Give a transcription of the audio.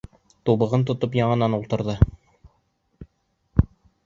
Тубығын тотоп яңынан ултырҙы.